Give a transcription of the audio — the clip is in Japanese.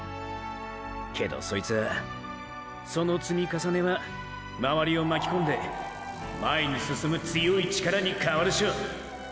けどそいつはその積み重ねはまわりをまきこんで前に進む強い力に変わるショ！！